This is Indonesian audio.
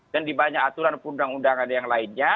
dan di banyak aturan undang undangan yang lainnya